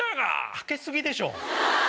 老け過ぎでしょ。